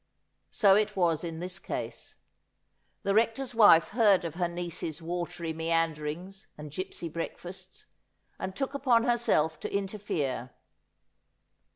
So it was in this case. The Rector's wife heard of her niece's watery meanderings and gipsy breakfasts, and took upon herself to interfere.